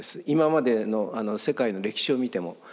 今までの世界の歴史を見ても。